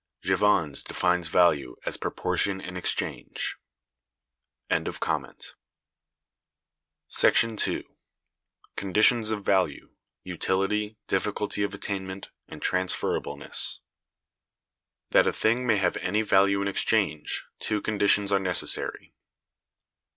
Jevons(198) defines value as "proportion in exchange." § 2. Conditions of Value: Utility, Difficulty of Attainment, and Transferableness. That a thing may have any value in exchange, two conditions are necessary.